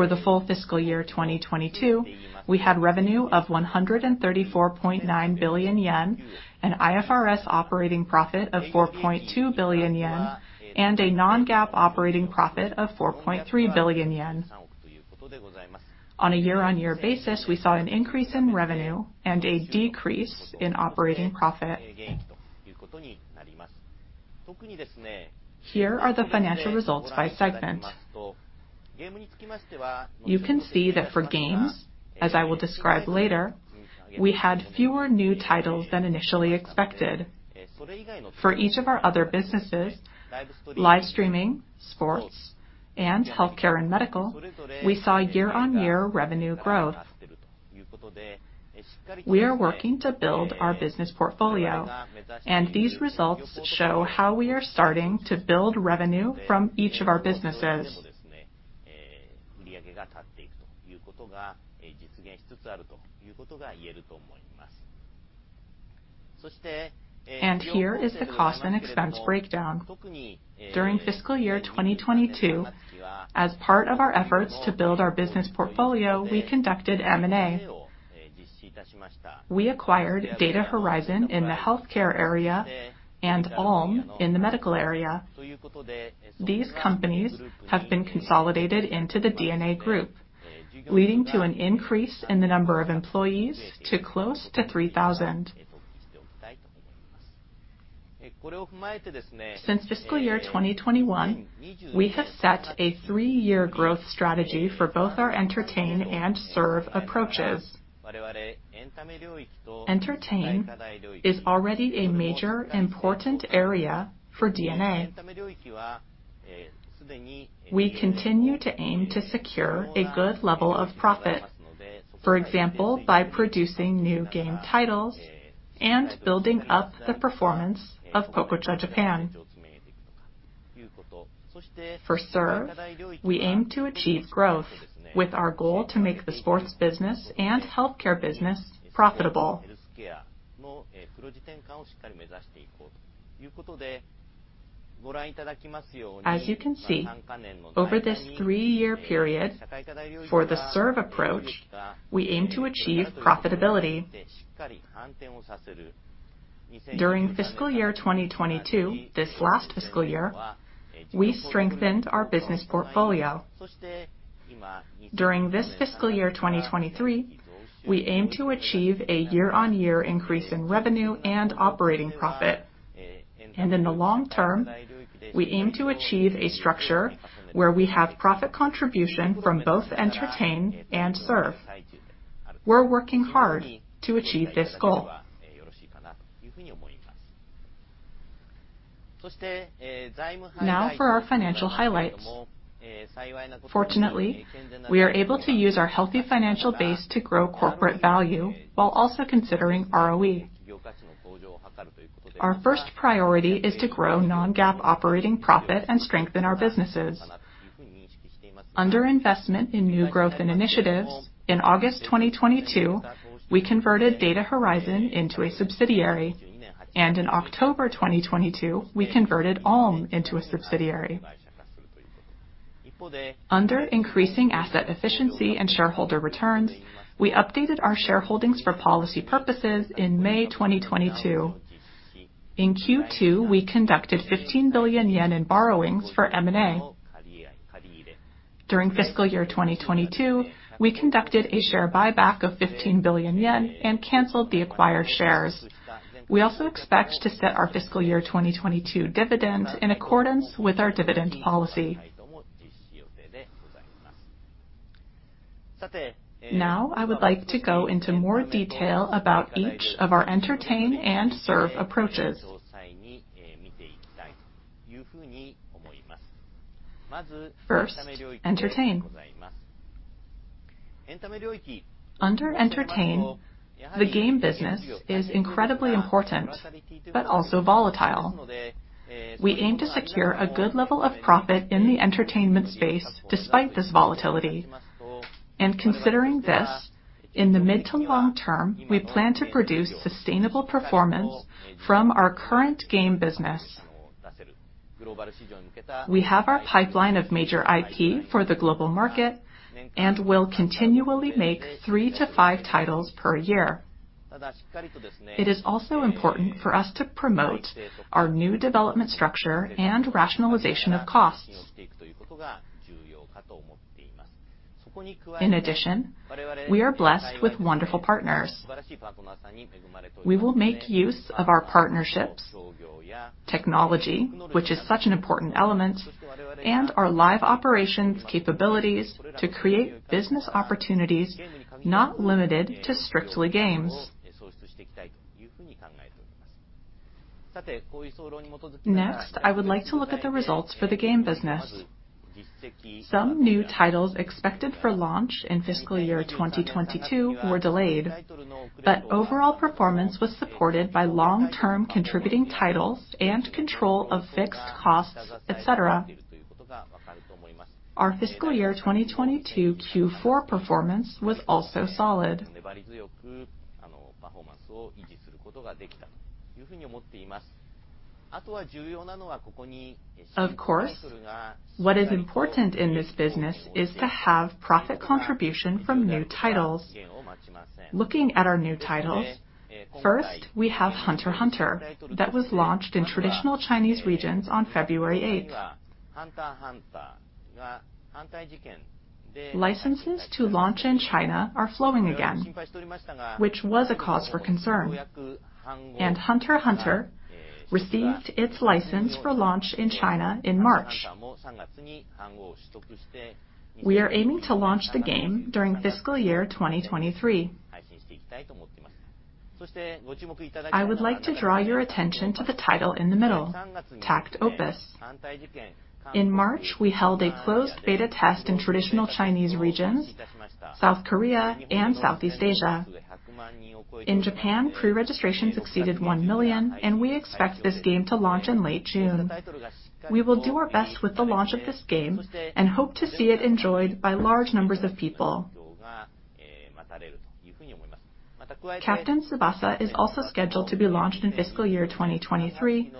For the full fiscal year 2022, we had revenue of 134.9 billion yen, an IFRS operating profit of 4.2 billion yen, and a non-GAAP operating profit of 4.3 billion yen. On a year-on-year basis, we saw an increase in revenue and a decrease in operating profit. Here are the financial results by segment. You can see that for games, as I will describe later, we had fewer new titles than initially expected. For each of our other businesses, live streaming, sports, and healthcare and medical, we saw year-on-year revenue growth. We are working to build our business portfolio, and these results show how we are starting to build revenue from each of our businesses. Here is the cost and expense breakdown. During fiscal year 2022, as part of our efforts to build our business portfolio, we conducted M&A. We acquired Data Horizon in the healthcare area and Allm in the medical area. These companies have been consolidated into the DeNA group, leading to an increase in the number of employees to close to 3,000. Since fiscal year 2021, we have set a three year growth strategy for both our Entertain and Serve approaches. Entertain is already a major important area for DeNA. We continue to aim to secure a good level of profit, for example, by producing new game titles and building up the performance of Cocone Japan. For Serve, we aim to achieve growth with our goal to make the sports business and healthcare business profitable. As you can see, over this three year period for the Serve approach, we aim to achieve profitability. During fiscal year 2022, this last fiscal year, we strengthened our business portfolio. During this fiscal year, 2023, we aim to achieve a year-on-year increase in revenue and operating profit. In the long term, we aim to achieve a structure where we have profit contribution from both Entertain and Serve. We're working hard to achieve this goal. For our financial highlights. Fortunately, we are able to use our healthy financial base to grow corporate value while also considering ROE. Our first priority is to grow non-GAAP operating profit and strengthen our businesses. Under investment in new growth and initiatives, in August 2022, we converted Data Horizon into a subsidiary, and in October 2022, we converted Allm into a subsidiary. Under increasing asset efficiency and shareholder returns, we updated our shareholdings for policy purposes in May 2022. In Q2, we conducted 15 billion yen in borrowings for M&A. During fiscal year 2022, we conducted a share buyback of 15 billion yen and canceled the acquired shares. We also expect to set our fiscal year 2022 dividend in accordance with our dividend policy. I would like to go into more detail about each of our Entertain and Serve approaches. First, Entertain. Under Entertain, the game business is incredibly important but also volatile. We aim to secure a good level of profit in the entertainment space despite this volatility. Considering this, in the mid to long term, we plan to produce sustainable performance from our current game business. We have our pipeline of major IP for the global market and will continually make three-five titles per year. It is also important for us to promote our new development structure and rationalization of costs. We are blessed with wonderful partners. We will make use of our partnerships, technology, which is such an important element, and our live operations capabilities to create business opportunities not limited to strictly games. I would like to look at the results for the game business. Some new titles expected for launch in fiscal year 2022 were delayed, overall performance was supported by long-term contributing titles and control of fixed costs, et cetera. Our fiscal year 2022 Q4 performance was also solid. Of course, what is important in this business is to have profit contribution from new titles. Looking at our new titles, first, we have Hunter × Hunter that was launched in traditional Chinese regions on February 8th. Licenses to launch in China are flowing again, which was a cause for concern, Hunter × Hunter received its license for launch in China in March. We are aiming to launch the game during fiscal year 2023. I would like to draw your attention to the title in the middle, takt op. In March, we held a closed beta test in traditional Chinese regions, South Korea, and Southeast Asia. In Japan, pre-registration succeeded 1 million, and we expect this game to launch in late June. We will do our best with the launch of this game and hope to see it enjoyed by large numbers of people. Captain Tsubasa is also scheduled to be launched in fiscal year 2023,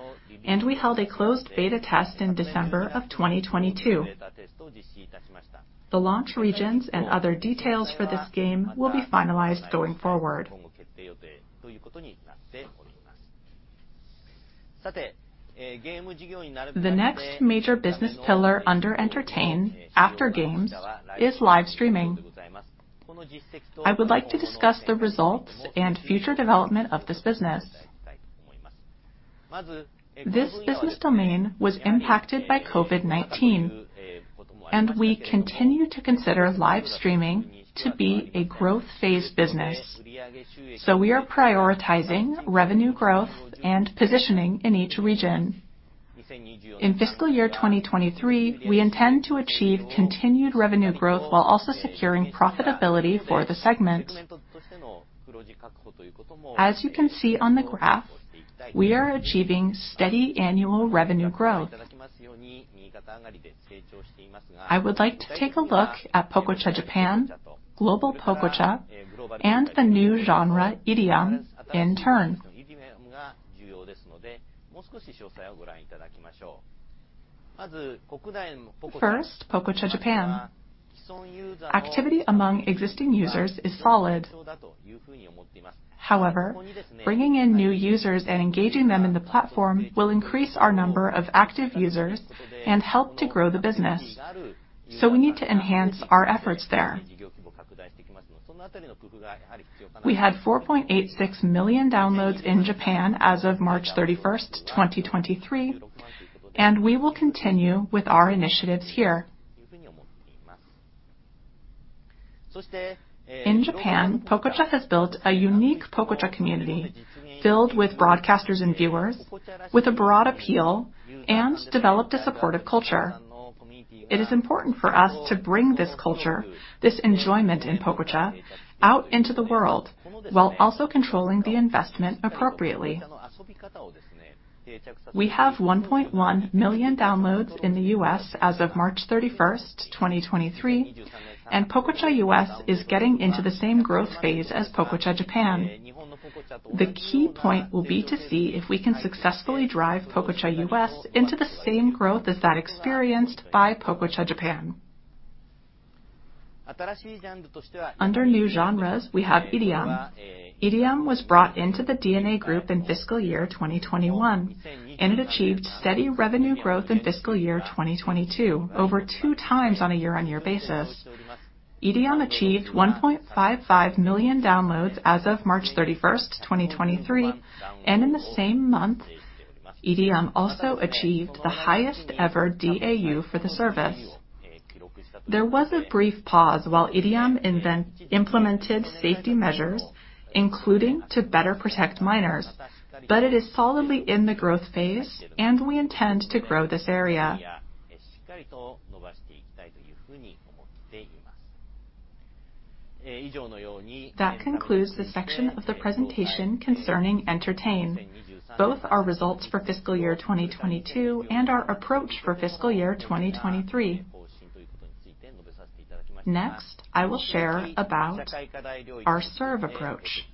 and we held a closed beta test in December of 2022. The launch regions and other details for this game will be finalized going forward. The next major business pillar under Entertain after games is live streaming. I would like to discuss the results and future development of this business. This business domain was impacted by COVID-19. We continue to consider live streaming to be a growth phase business. We are prioritizing revenue growth and positioning in each region. In fiscal year 2023, we intend to achieve continued revenue growth while also securing profitability for the segment. As you can see on the graph, we are achieving steady annual revenue growth. I would like to take a look at Pococha Japan, Global Pococha, and the new genre, IRIAM, in turn. First, Pococha Japan. Activity among existing users is solid. However, bringing in new users and engaging them in the platform will increase our number of active users and help to grow the business, so we need to enhance our efforts there. We had 4.86 million downloads in Japan as of March 31st, 2023, and we will continue with our initiatives here. In Japan, Pococha has built a unique Pococha community filled with broadcasters and viewers with a broad appeal and developed a supportive culture. It is important for us to bring this culture, this enjoyment in Pococha, out into the world while also controlling the investment appropriately. We have 1.1 million downloads in the US as of March 31, 2023, and Pococha US is getting into the same growth phase as Pococha Japan. The key point will be to see if we can successfully drive Pococha US into the same growth as that experienced by Pococha Japan. Under new genres, we have IRIAM. IRIAM was brought into the DeNA group in fiscal year 2021, and it achieved steady revenue growth in fiscal year 2022, over two times on a year-on-year basis. IRIAM achieved 1.55 million downloads as of March 31, 2023, and in the same month, IRIAM also achieved the highest ever DAU for the service. There was a brief pause while IRIAM implemented safety measures, including to better protect minors, but it is solidly in the growth phase, and we intend to grow this area. That concludes the section of the presentation concerning Entertain, both our results for fiscal year 2022 and our approach for fiscal year 2023. Next, I will share about our Serve approach.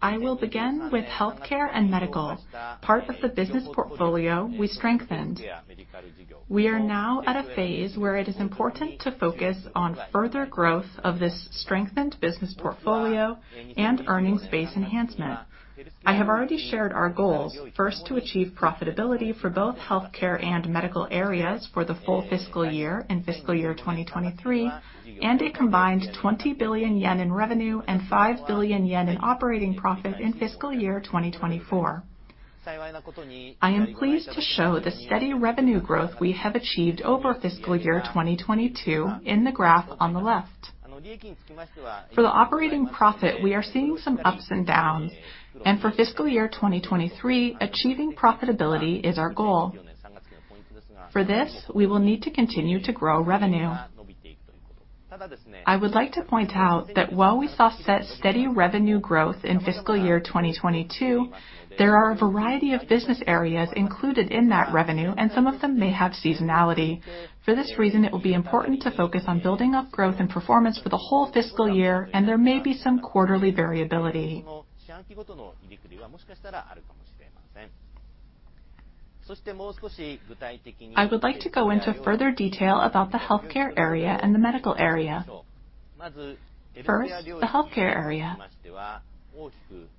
I will begin with healthcare and medical, part of the business portfolio we strengthened. We are now at a phase where it is important to focus on further growth of this strengthened business portfolio and earnings-based enhancement. I have already shared our goals, first, to achieve profitability for both healthcare and medical areas for the full fiscal year in fiscal year 2023 and a combined 20 billion yen in revenue and 5 billion yen in operating profit in fiscal year 2024. I am pleased to show the steady revenue growth we have achieved over fiscal year 2022 in the graph on the left. For the operating profit, we are seeing some ups and downs, and for fiscal year 2023, achieving profitability is our goal. For this, we will need to continue to grow revenue. I would like to point out that while we saw steady revenue growth in fiscal year 2022, there are a variety of business areas included in that revenue, and some of them may have seasonality. For this reason, it will be important to focus on building up growth and performance for the whole fiscal year, and there may be some quarterly variability. I would like to go into further detail about the healthcare area and the medical area. First, the healthcare area.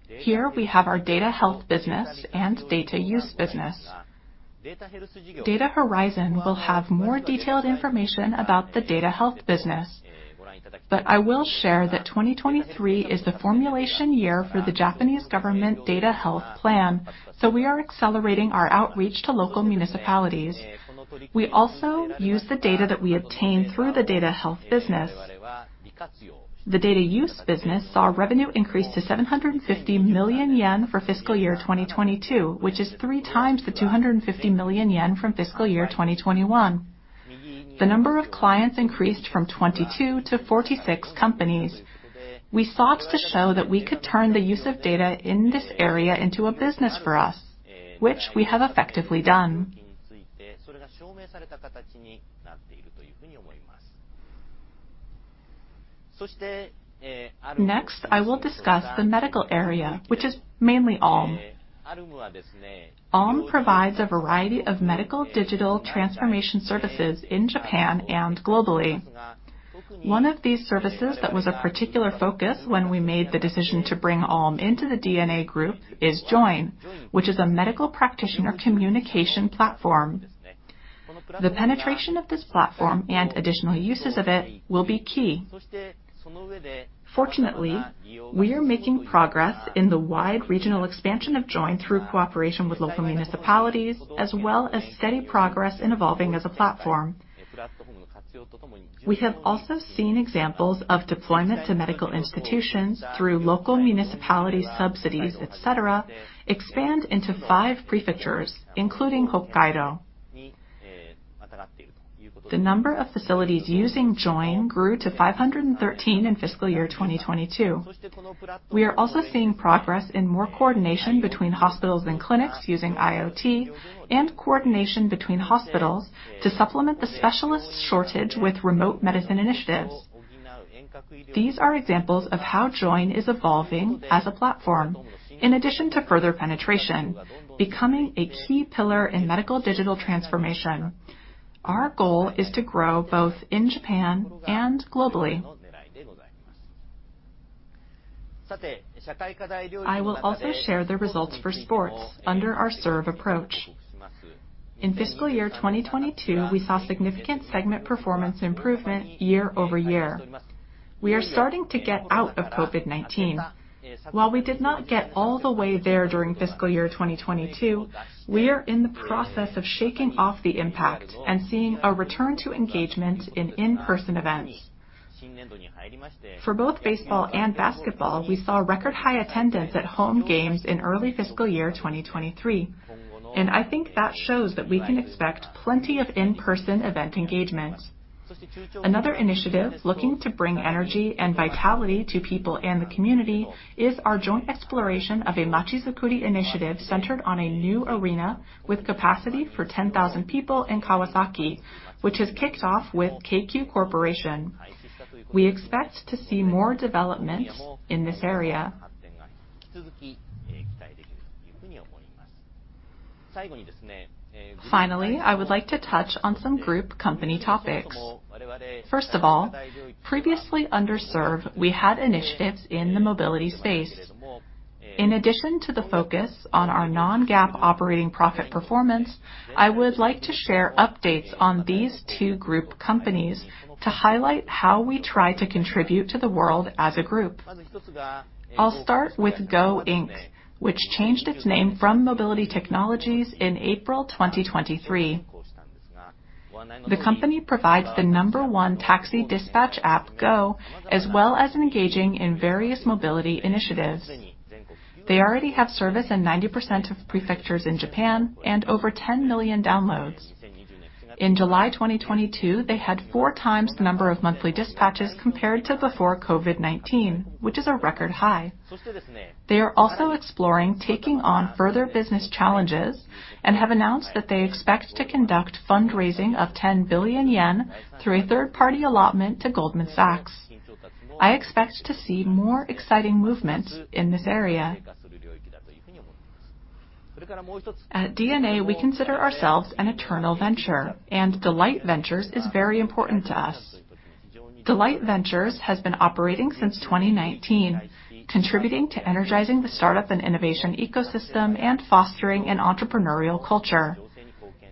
Here we have our data health business and data use business. Data Horizon will have more detailed information about the data health business. I will share that 2023 is the formulation year for the Japanese government Data Health Plan, so we are accelerating our outreach to local municipalities. We also use the data that we obtain through the data health business. The data use business saw revenue increase to 750 million yen for fiscal year 2022, which is three times the 250 million yen from fiscal year 2021. The number of clients increased from 22 to 46 companies. We sought to show that we could turn the use of data in this area into a business for us, which we have effectively done. Next, I will discuss the medical area, which is mainly Allm. Allm provides a variety of medical digital transformation services in Japan and globally. One of these services that was a particular focus when we made the decision to bring Allm into the DeNA group is Join, which is a medical practitioner communication platform. The penetration of this platform and additional uses of it will be key. Fortunately, we are making progress in the wide regional expansion of Join through cooperation with local municipalities, as well as steady progress in evolving as a platform. We have also seen examples of deployments to medical institutions through local municipality subsidies, et cetera, expand into 5 prefectures, including Hokkaido. The number of facilities using Join grew to 513 in fiscal year 2022. We are also seeing progress in more coordination between hospitals and clinics using IoT and coordination between hospitals to supplement the specialist shortage with remote medicine initiatives. These are examples of how Join is evolving as a platform. In addition to further penetration, becoming a key pillar in medical digital transformation, our goal is to grow both in Japan and globally. I will also share the results for sports under our Serve approach. In fiscal year 2022, we saw significant segment performance improvement year-over-year. We are starting to get out of COVID-19. While we did not get all the way there during fiscal year 2022, we are in the process of shaking off the impact and seeing a return to engagement in in-person events. For both baseball and basketball, we saw record high attendance at home games in early fiscal year 2023, I think that shows that we can expect plenty of in-person event engagement. Another initiative looking to bring energy and vitality to people and the community is our joint exploration of a Machizukuri initiative centered on a new arena with capacity for 10,000 people in Kawasaki, which has kicked off with KQ Corporation. We expect to see more development in this area. Finally, I would like to touch on some group company topics. First of all, previously under Serve, we had initiatives in the mobility space. In addition to the focus on our non-GAAP operating profit performance, I would like to share updates on these two group companies to highlight how we try to contribute to the world as a group. I'll start with GO Inc., which changed its name from Mobility Technologies in April 2023. The company provides the number one taxi dispatch app, GO, as well as engaging in various mobility initiatives. They already have service in 90% of prefectures in Japan and over 10 million downloads. In July 2022, they had 4 times the number of monthly dispatches compared to before COVID-19, which is a record high. They are also exploring taking on further business challenges and have announced that they expect to conduct fundraising of 10 billion yen through a third-party allotment to Goldman Sachs. I expect to see more exciting movement in this area. At DeNA, we consider ourselves an eternal venture, and Delight Ventures is very important to us. Delight Ventures has been operating since 2019, contributing to energizing the startup and innovation ecosystem and fostering an entrepreneurial culture.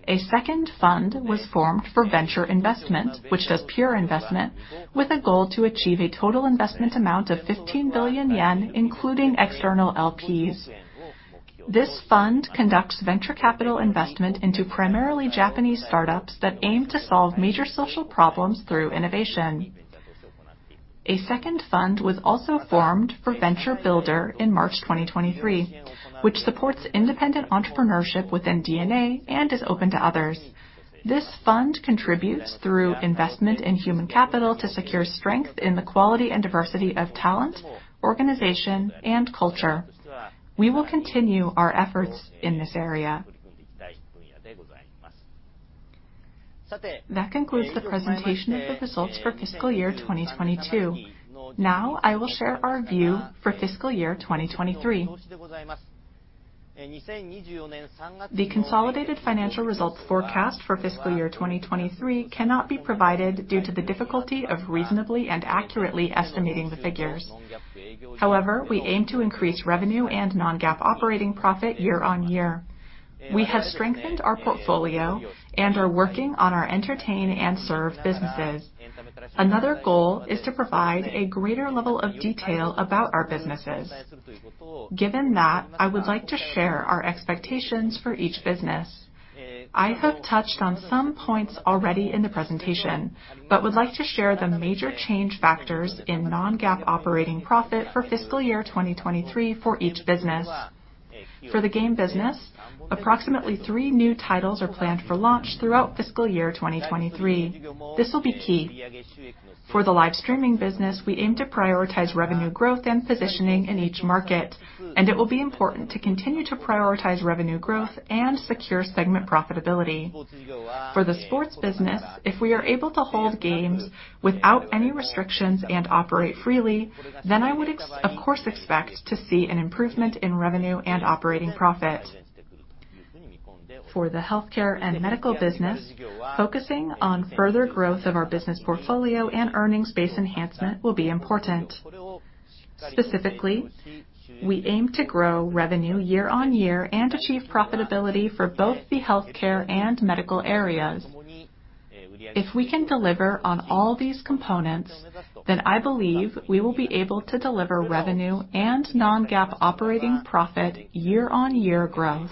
A second fund was formed for venture investment, which does pure investment with a goal to achieve a total investment amount of 15 billion yen, including external LPs. This fund conducts venture capital investment into primarily Japanese startups that aim to solve major social problems through innovation. A second fund was also formed for Venture Builder in March 2023, which supports independent entrepreneurship within DeNA and is open to others. This fund contributes through investment in human capital to secure strength in the quality and diversity of talent, organization, and culture. We will continue our efforts in this area. That concludes the presentation of the results for fiscal year 2022. Now I will share our view for fiscal year 2023. The consolidated financial results forecast for fiscal year 2023 cannot be provided due to the difficulty of reasonably and accurately estimating the figures. However, we aim to increase revenue and non-GAAP operating profit year on year. We have strengthened our portfolio and are working on our Entertain and Serve businesses. Another goal is to provide a greater level of detail about our businesses. Given that, I would like to share our expectations for each business. I have touched on some points already in the presentation, but would like to share the major change factors in non-GAAP operating profit for fiscal year 2023 for each business. For the game business, approximately three new titles are planned for launch throughout fiscal year 2023. This will be key. For the live streaming business, we aim to prioritize revenue growth and positioning in each market, and it will be important to continue to prioritize revenue growth and secure segment profitability. For the sports business, if we are able to hold games without any restrictions and operate freely, then I would of course expect to see an improvement in revenue and operating profit. For the healthcare and medical business, focusing on further growth of our business portfolio and earnings base enhancement will be important. Specifically, we aim to grow revenue year-on-year and achieve profitability for both the healthcare and medical areas. If we can deliver on all these components, then I believe we will be able to deliver revenue and non-GAAP operating profit year-on-year growth.